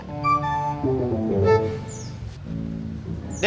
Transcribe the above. mobilnya mahal dra